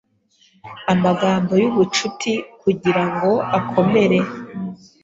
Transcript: Amagambo y'ubucuti kugirango akomere